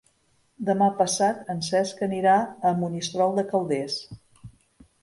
Demà passat en Cesc anirà a Monistrol de Calders.